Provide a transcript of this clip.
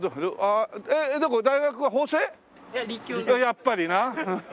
やっぱりな。